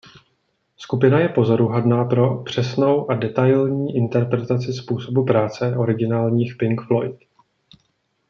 Skupina je pozoruhodná pro přesnou a detailní interpretaci způsobu práce originálních Pink Floyd.